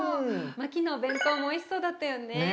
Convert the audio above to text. マキのお弁当もおいしそうだったよね。